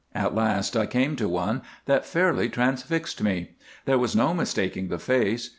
At last I came to one that fairly transfixed me. There was no mistaking the face.